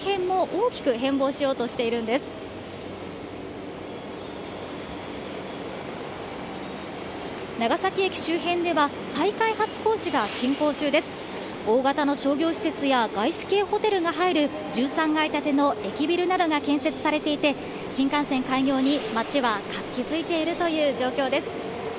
大型の商業施設や外資系ホテルが入る１３階建ての駅ビルなどが建設されていて、新幹線開業に町は活気づいているという状況です。